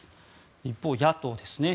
一方、野党ですね。